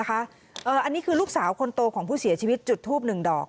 อันนี้คือลูกสาวคนโตของผู้เสียชีวิตจุดทูบหนึ่งดอก